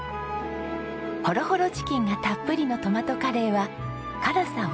ホロホロチキンがたっぷりのトマトカレーは辛さ抑えめ。